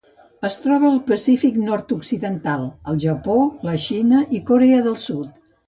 Es troba al Pacífic nord-occidental: el Japó, la Xina i Corea del Sud.